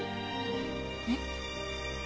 えっ？